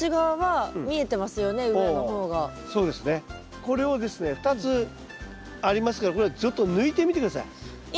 これをですね２つありますからこれをちょっと抜いてみて下さい。